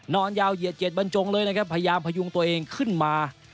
นอนยาวเยียดบนจงพยามพยุงตัวเองขึ้นมา